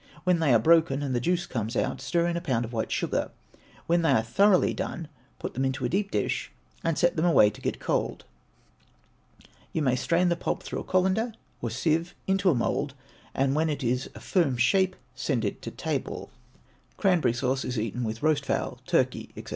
When they are broken and the juice comes out, stir in a pound of white sugar. When they are thoroughly done, put them into a deep dish, and set them away to get cold. You may strain the pulp through a cullender or sieve into a mould, and when it is a firm shape send it to table. Cranberry sauce is eaten with roast fowl, turkey, &c.